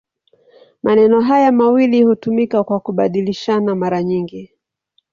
Maneno haya mawili hutumika kwa kubadilishana mara nyingi.